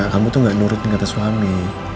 kamu tuh gak nurutin kata suami